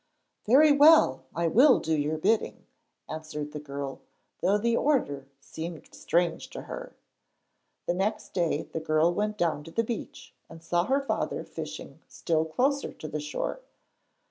'Very well, I will do your bidding,' answered the girl, though the order seemed strange to her. The next day the girl went down to the beach and saw her father fishing still closer to the shore.